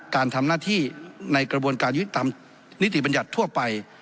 การทำหน้าที่ในกระบวนการยุทธิตามนิติบัญญัติทั่วไป